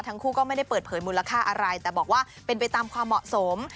ทั้งคู่ก็ไม่ได้เปิดเผยมูลค่าอะไรแต่บอกว่าเป็นไปตามความเหมาะสม